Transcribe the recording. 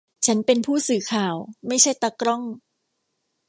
ฉันเป็นผู้สื่อข่าว ไม่ใช่ตากล้อง